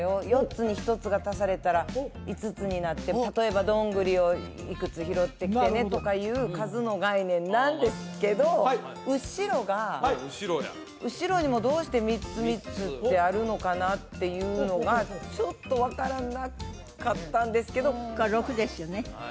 ４つに１つが足されたら５つになって例えば「どんぐりをいくつ拾ってきてね」とかいう数の概念なんですけど後ろが後ろにもどうして３つ３つってあるのかな？っていうのがちょっと分からなかったんですけどこれ６ですよね